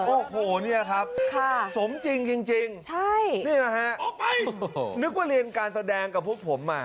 โอ้โหนี่ละครับสมจริงนึกว่าเรียนการแสดงกับพวกผมมา